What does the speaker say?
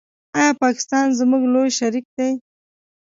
آیا پاکستان زموږ لوی شریک دی؟